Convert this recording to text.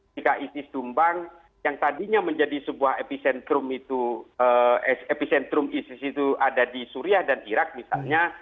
jika isis tumbang yang tadinya menjadi sebuah epicentrum isis itu ada di suriah dan irak misalnya